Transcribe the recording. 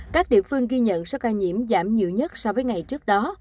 các địa phương ghi nhận số ca nhiễm giảm nhiều nhất so với ngày trước đó